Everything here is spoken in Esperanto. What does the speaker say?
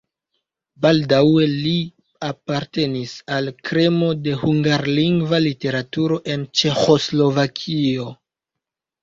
Baldaŭe li apartenis al kremo de hungarlingva literaturo en Ĉeĥoslovakio.